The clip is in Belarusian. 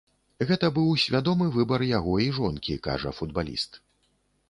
Гэта быў свядомы выбар яго і жонкі, кажа футбаліст.